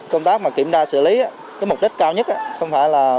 công tác kiểm tra xử lý mục đích cao nhất không phải là